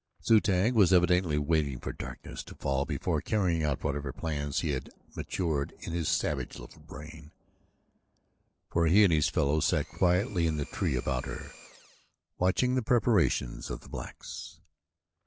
Zu tag was evidently waiting for darkness to fall before carrying out whatever plans had matured in his savage little brain, for he and his fellows sat quietly in the tree about her, watching the preparations of the blacks.